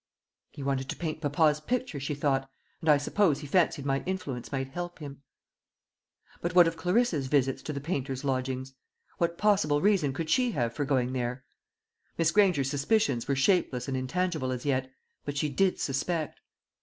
"He wanted to paint papa's picture," she thought, "and I suppose he fancied my influence might help him." But what of Clarissa's visits to the painter's lodgings? what possible reason could she have for going there? Miss Granger's suspicions were shapeless and intangible as yet, but she did suspect.